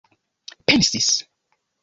pensis